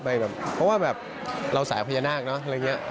ไปแบบคือเราสายภัยีนาค